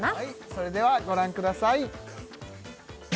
それではご覧ください